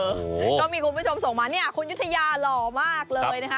ก็มีคุณผู้ชมส่งมาคุณยุทยาหล่อมากเลยนะครับ